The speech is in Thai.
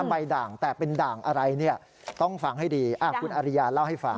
ใบด่างแต่เป็นด่างอะไรเนี่ยต้องฟังให้ดีคุณอริยาเล่าให้ฟัง